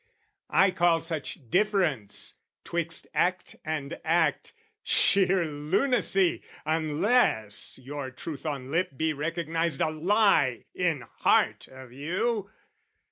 I call such difference 'twixt act and act, Sheer lunacy unless your truth on lip Be recognised a lie in heart of you!